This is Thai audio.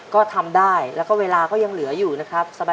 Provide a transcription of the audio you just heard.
ก็ทำได้แล้วก็เวลาก็ยังเหลืออยู่นะครับ